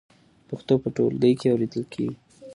پښتو په ټولګي کې اورېدل کېږي.